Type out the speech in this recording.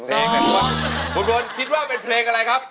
คุณฝนคิดว่าเป็นเพลงอะไรครับ